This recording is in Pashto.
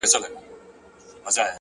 چي در رسېږم نه!! نو څه وکړم ه ياره!!